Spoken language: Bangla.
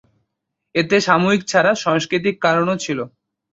এতে সামরিক ছাড়া সাংস্কৃতিক কারণও ছিল।